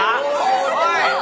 おい！